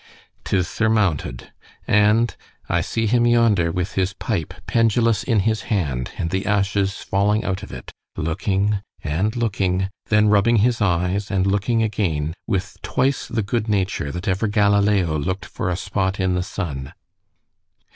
'Tis surmounted. And I see him yonder with his pipe pendulous in his hand, and the ashes falling out of it—looking—and looking—then rubbing his eyes—and looking again, with twice the good nature that ever Galileo look'd for a spot in the sun.